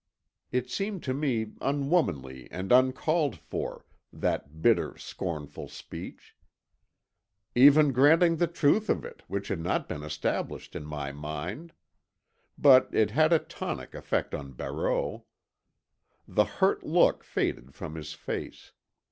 It seemed to me unwomanly and uncalled for, that bitter, scornful speech; even granting the truth of it, which had not been established in my mind. But it had a tonic effect on Barreau. The hurt look faded from his face.